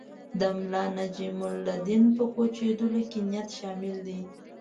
د ملانجم الدین په کوچېدلو کې نیت شامل دی.